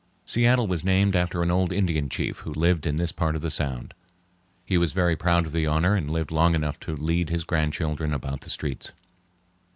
Seattle was named after an old Indian chief who lived in this part of the Sound. He was very proud of the honor and lived long enough to lead his grandchildren about the streets.